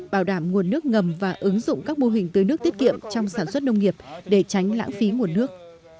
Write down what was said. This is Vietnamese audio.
bảo đảm nguồn nước ngầm và ứng dụng các mô hình tưới nước tiết kiệm trong sản xuất nông nghiệp để tránh lãng phí nguồn nước